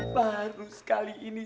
baru sekali ini